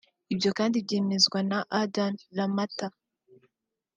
Ibyo kandi byemezwa na Adan Ramata